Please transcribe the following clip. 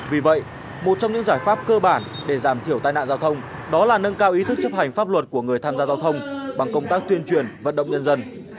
vì vậy một trong những giải pháp cơ bản để giảm thiểu tai nạn giao thông đó là nâng cao ý thức chấp hành pháp luật của người tham gia giao thông bằng công tác tuyên truyền vận động nhân dân